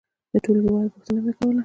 د ټولګي والو پوښتنه مې کوله.